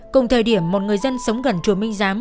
cùng thời điểm một người dân sống gần chùa minh giám